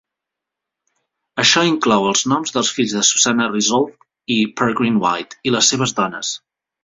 Això inclou els noms dels fills de Susanna Resolved i Peregrine White i les seves dones.